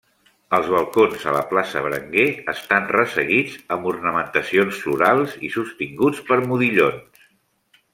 Els balcons a la plaça Berenguer estan resseguits amb ornamentacions florals i sostinguts per modillons.